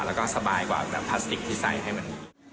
แล้วก็สบายกว่าแบบพลาสติกที่ใส่ให้มัน